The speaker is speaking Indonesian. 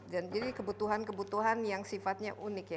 dan jadi kebutuhan kebutuhan yang sifatnya unik ya